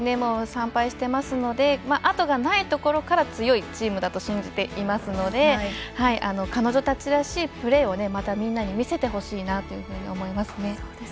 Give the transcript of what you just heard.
３敗していますのであとがないところから強いチームだと信じていますので彼女たちらしいプレーをまたみんなに見せてほしいなと思いますね。